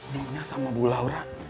nonya sama bu laura